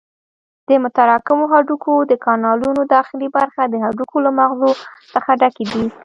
د متراکمو هډوکو د کانالونو داخلي برخه د هډوکو له مغزو څخه ډکې دي.